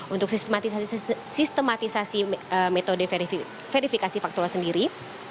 untuk sistematisasi metode verifikasi faktual sendiri